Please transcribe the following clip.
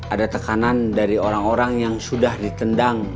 ada tekanan dari orang orang yang sudah ditendang